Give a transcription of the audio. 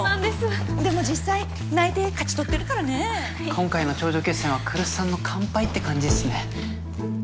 今回の頂上決戦は来栖さんの完敗って感じっすね。